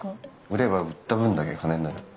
売れば売った分だけ金になる。